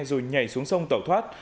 rồi nhảy xuống sông tẩu thoát